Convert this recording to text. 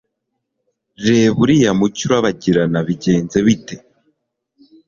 reba uriya mucyo urabagirana bigenze bite